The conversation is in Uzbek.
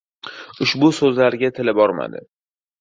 Ushbu so‘zlarga tili bormadi!